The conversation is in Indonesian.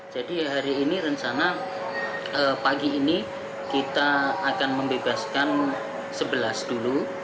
jadi hari ini rencana pagi ini kita akan membebaskan sebelas dulu